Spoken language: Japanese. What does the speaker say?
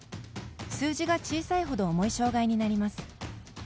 数字が小さいほど重い障がいになります。